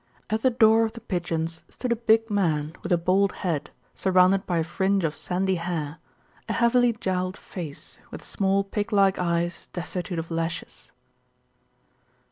At the door of The Pigeons stood a big man with a bald head surrounded by a fringe of sandy hair, a heavily jowled face, with small pig like eyes destitute of lashes.